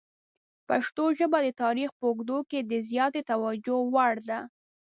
پښتو ژبه د تاریخ په اوږدو کې د زیاتې توجه وړ ده.